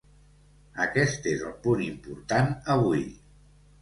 Aquest és el punt important avui.